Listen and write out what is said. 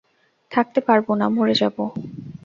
থাকতে পারব না, মরে যাব।